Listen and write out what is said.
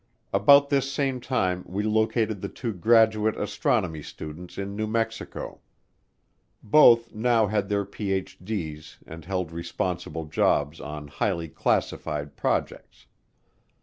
About this same time we located the two graduate astronomy students in New Mexico. Both now had their Ph.D.'s and held responsible jobs on highly classified projects.